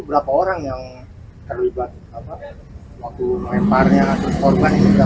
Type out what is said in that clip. berapa orang yang terlibat waktu melemparnya